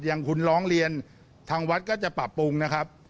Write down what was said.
อย่างคุณร้องเรียนทางวัดก็จะปรับปรุงนะครับ